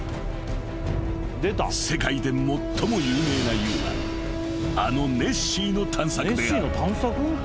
［世界で最も有名なＵＭＡあのネッシーの探索である］